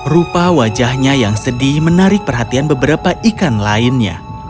rupa wajahnya yang sedih menarik perhatian beberapa ikan lainnya